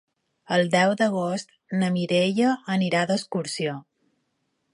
El deu d'agost na Mireia anirà d'excursió.